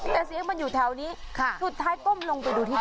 แต่เสียงมันอยู่แถวนี้สุดท้ายก้มลงไปดูที่